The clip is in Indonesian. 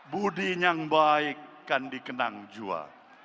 budi yang baik kan dikenang jua